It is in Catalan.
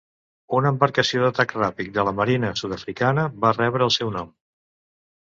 Una embarcació d'atac ràpid de la marina sud-africana va rebre el seu nom.